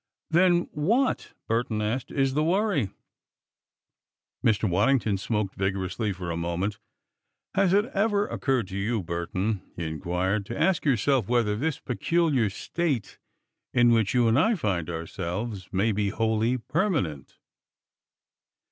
"Then what," Burton asked, "is the worry?" Mr. Waddington smoked vigorously for a moment. "Has it ever occurred to you, Burton," he inquired, "to ask yourself whether this peculiar state, in which you and I find ourselves, may be wholly permanent?"